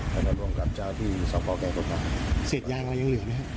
มาตรับรองกลับจากที่สะพอแก่ตอนนี้เสร็จยางยังเหลือไหมครับ